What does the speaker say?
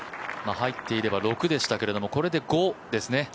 入っていれば、６でしたけどこれで５ですね。